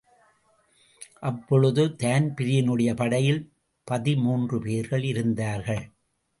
அப்பொழுது தான்பிரீனுடைய படையில் பதிமூன்று பேர்கள் இருந்தார்கள்.